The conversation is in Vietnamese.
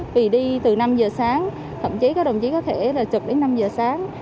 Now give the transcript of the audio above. thì đi từ năm giờ sáng thậm chí các đồng chí có thể là chụp đến năm giờ sáng